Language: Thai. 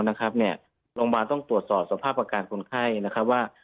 โรงพยาบาลต้องตรวจสอบสภาพอาการคนไข้นะครับว่า